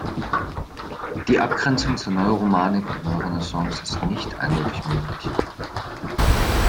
Die Abgrenzung zur Neuromanik und Neurenaissance ist nicht eindeutig möglich.